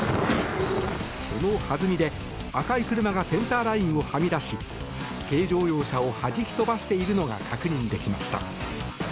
その弾みで赤い車がセンターラインをはみ出し軽乗用車をはじき飛ばしているのが確認できました。